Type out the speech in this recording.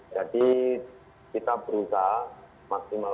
jadi kita berusaha